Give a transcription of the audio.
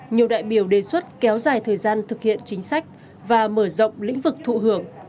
nhiều đại biểu đề xuất kéo dài thời gian thực hiện chính sách và mở rộng lĩnh vực thụ hưởng